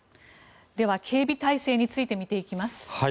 では、警備体制について見ていきます。